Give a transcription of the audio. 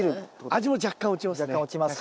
味も若干落ちますね。